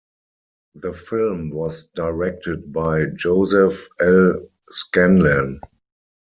The film was directed by Joseph L. Scanlan.